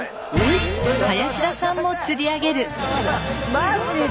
マジで？